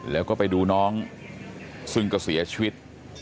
แล้วก็ไปดูน้องซึ่งก็เสียชีวิต